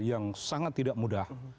yang sangat tidak mudah